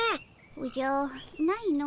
おじゃないの。